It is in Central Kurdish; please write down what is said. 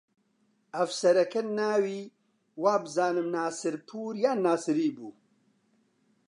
ئەفسەرەکە ناوی وابزانم ناسرپوور یان ناسری بوو